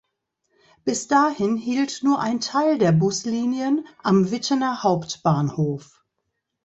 Bis dahin hielt nur ein Teil der Buslinien am Wittener Hauptbahnhof.